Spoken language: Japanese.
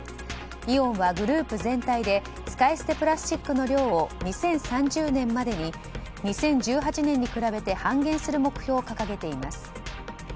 イオンはグループ全体で使い捨てプラスチックの量を２０３０年までに２０１８年に比べて半減する目標を掲げています。